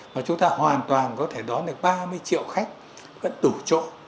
mà chúng ta hoàn toàn có thể đón được ba mươi triệu khách vẫn đủ chỗ